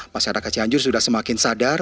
masyarakat cianjur sudah semakin sadar